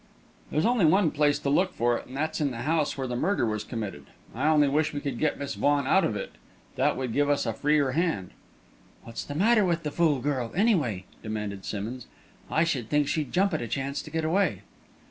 "There's only one place to look for it, and that's in the house where the murder was committed. I only wish we could get Miss Vaughan out of it that would give us a freer hand." "What's the matter with the fool girl, anyway?" demanded Simmonds. "I should think she'd jump at a chance to get away."